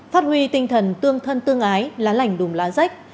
phát huy tinh thần tương thân tương ái lá lành đùm lá rách